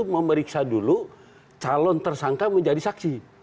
jadi mereka meriksa dulu calon tersangka menjadi saksi